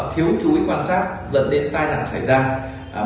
thiếu chú ý quan sát dẫn điện tai nạn